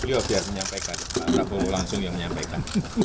beliau biar menyampaikan pak prabowo langsung yang menyampaikan